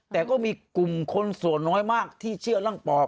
แต่ก็มีกลุ่มคนส่วนน้อยมากที่เชื่อเรื่องปอบ